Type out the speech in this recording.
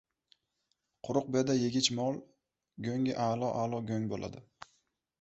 Quruq beda yegich mol go‘ngi a’lo-a’lo go‘ng bo‘ladi!